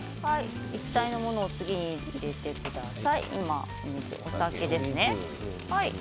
液体のものを入れてください。